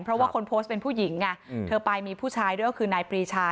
เพราะว่าคนโพสต์เป็นผู้หญิงไงเธอไปมีผู้ชายด้วยก็คือนายปรีชา